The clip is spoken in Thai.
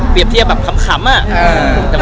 เปรียบเพียบว่าเรายังมีคลิกครับ